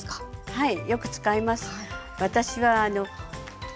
はい。